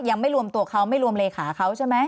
ยังไม่รวมตัวเขาไม่รวมเลขาเขาใช่ไหม